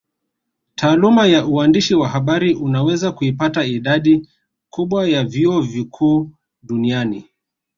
Taaluma ya uandishi wa habari unaweza kuipata idadi kubwa ya vyuo vikuu duniani